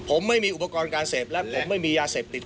ผมไม่มีอุปกรณ์การเสพและผมไม่มียาเสพติด